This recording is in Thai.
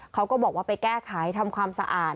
เขาก็บอกว่าไปแก้ไขทำความสะอาด